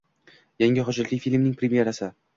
Yangi hujjatli filmning premerasi